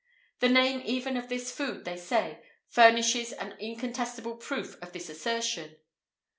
The name even of this food, they say, furnishes an incontestable proof of this assertion.